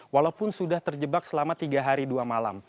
walaupun sudah terjebak selama tiga hari dua malam